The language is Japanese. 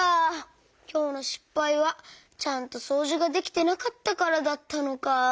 きょうのしっぱいはちゃんとそうじができてなかったからだったのか。